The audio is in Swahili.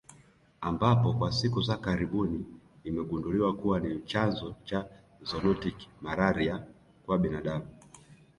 Ambapo kwa siku za karibuni imegunduliwa kuwa ni chanzo cha zoonotic malaria kwa binadamu